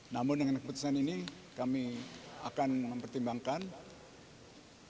namun dengan keputusan ini kami akan mempertimbangkan